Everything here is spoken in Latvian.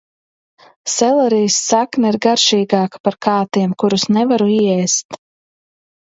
Selerijas sakne ir garšīgāka par kātiem, kurus nevaru ieēst.